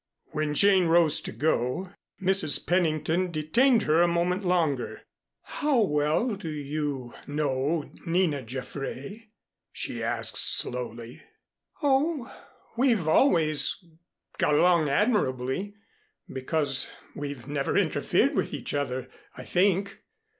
When Jane rose to go, Mrs. Pennington detained her a moment longer. "How well do you know Nina Jaffray?" she asked slowly. "Oh, we've always got along admirably, because we've never interfered with each other, I think.